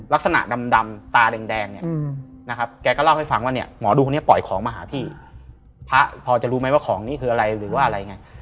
ลักษณะดำตาแดงแกก็เล่าให้ฟังว่าหมอดูคนเนี่ยเป่าของมาหาพี่พระพอจะรู้ไหมว่าของนี้อะไร